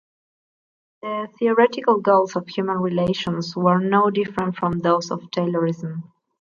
The theoretical goals of human relations were no different from those of Taylorism.